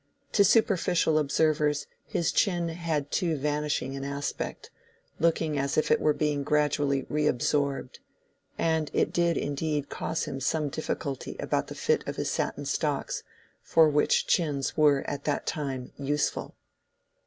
To superficial observers his chin had too vanishing an aspect, looking as if it were being gradually reabsorbed. And it did indeed cause him some difficulty about the fit of his satin stocks, for which chins were at that time useful.